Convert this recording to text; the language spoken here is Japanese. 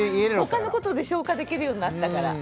他のことで消化できるようになったから。